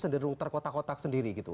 senderung terkotak kotak sendiri